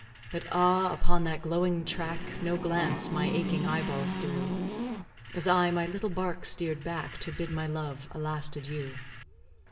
But, ah, upon that glowing track, No glance my aching eyeballs threw; As I my little bark steer'd back To bid my love a last adieu.